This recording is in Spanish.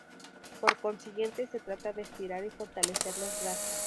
Por consiguiente se trata de estirar y fortalecer los brazos.